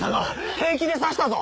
平気で刺したぞ！